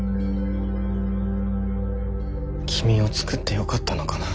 君を作ってよかったのかな。